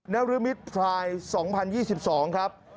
นรมิตพลาย๒๐๒๒ครับ